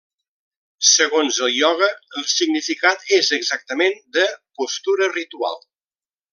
Segons el ioga, el significat és exactament de 'postura ritual'.